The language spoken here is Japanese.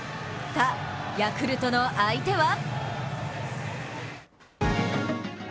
さあ、ヤクルトの相手は！？